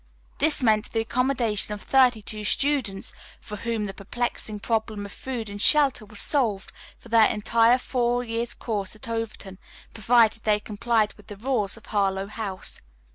This meant the accommodation of thirty two students for whom the perplexing problem of food and shelter was solved for their entire four years' course at Overton, provided they complied with the rules of Harlowe House.